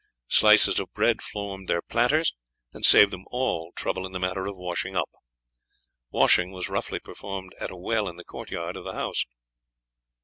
Slices of bread formed their platters, and saved them all trouble in the matter of washing up. Washing was roughly performed at a well in the court yard of the house.